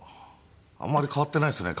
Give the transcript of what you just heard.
あんまり変わっていないですね